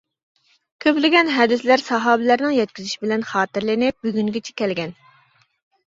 كۆپلىگەن ھەدىسلەر ساھابىلەرنىڭ يەتكۈزۈشى بىلەن خاتىرىلىنىپ بۈگۈنگىچە كەلگەن.